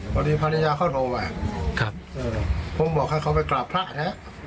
พระอาจารย์เข้าโทรมาผมบอกให้เขาไปกราบพระนะ